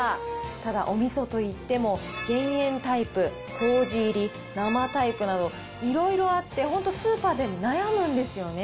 ただおみそといっても減塩タイプ、こうじ入り、生タイプなど、いろいろあって本当スーパーでも悩むんですよね。